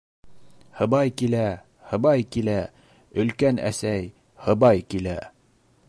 — Һыбай килә, һыбай килә, өлкән әсәй, һыбай килә!